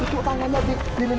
tutup tangannya di lilit